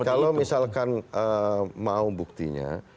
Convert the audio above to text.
kalau misalkan mau buktinya